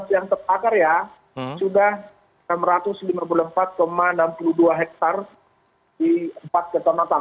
yang terbakar ya sudah enam ratus lima puluh empat enam puluh dua hektare di empat kecamatan